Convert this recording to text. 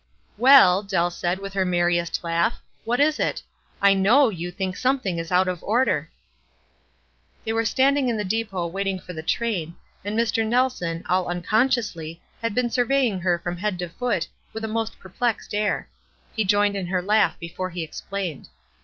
" Well," Dell said, with her merriest laugh, "what is it? I hwiv you think something is out of order." They were standing in the depot waiting for the train, and Mr. Nelson, all unconsciously, had been surveying her from head to foot, with a most perplexed air. He joined in her laugh before he explained.